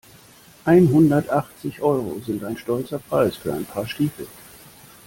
Einhundertachtzig Euro sind ein stolzer Preis für ein Paar Stiefel.